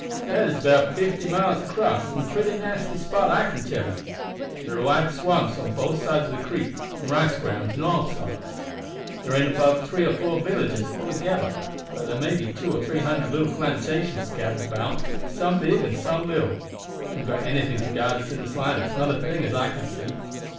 "That is about fifty mile across, and a pretty nasty spot, I can tell you. There are wide swamps on both sides of the creek, and rice grounds and all sorts. There ain't above three or four villages altogether, but there may be two or three hundred little plantations scattered about, some big and some little. We haven't got anything to guide us in the slightest, not a thing, as I can see."